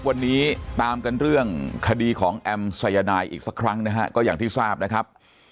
วันนี้ตามกันเรื่องคดีของแอมสายนายอีกสักครั้งนะฮะก็อย่างที่ทราบนะครับ